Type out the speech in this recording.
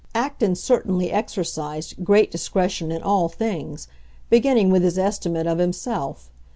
Acton certainly exercised great discretion in all things—beginning with his estimate of himself.